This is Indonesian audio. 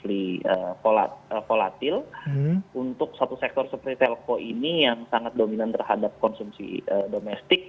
di volatil untuk satu sektor seperti telco ini yang sangat dominan terhadap konsumsi domestik